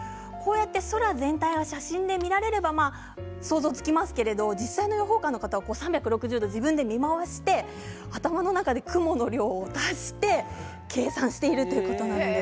空全体を写真に見られれば想像つきますけれど実際の予報官の方は３６０度自分で見回して頭の中で雲の量を足して計算しているということなんです。